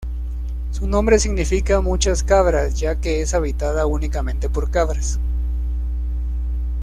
Su nombre significa "muchas cabras", ya que es habitada únicamente por cabras.